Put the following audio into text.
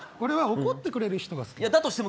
俺は怒ってくれる人が好き。